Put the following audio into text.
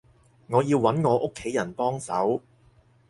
我要揾我屋企人幫手